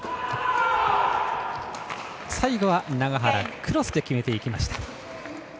最後は永原クロスで決めていきました。